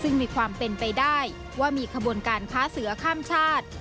ซึ่งมีความเป็นไปได้ว่ามีขบวนการค้าเสือข้ามชาติ